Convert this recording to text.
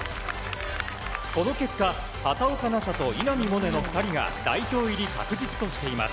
この結果、畑岡奈紗と稲見萌寧の２人が代表入り確実としています。